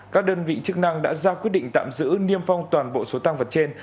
các đơn vị chức năng đã ra quyết định tạm giữ niêm phong toàn bộ số tăng vật trên